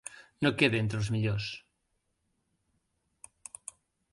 No queda entre els millors.